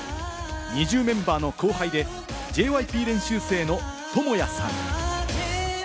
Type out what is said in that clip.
ＮｉｚｉＵメンバーの後輩でＪＹＰ練習生のトモヤさん。